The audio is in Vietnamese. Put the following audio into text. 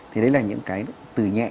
thì đấy là những cái từ nhẹ